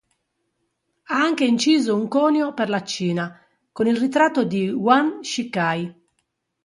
Ha anche inciso un conio per la Cina, con il ritratto di Yuan Shikai.